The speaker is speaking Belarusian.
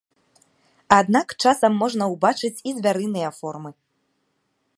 Аднак часам можна ўбачыць і звярыныя формы.